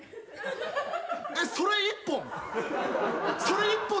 それ一本？